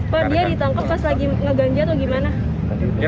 pak dia ditangkap pas lagi ngeganja atau gimana